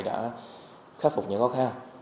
đã khắc phục những khó khăn của các loại đối tượng